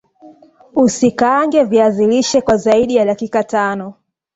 Usikaange viazi lishe kwa zaidi ya dakika tano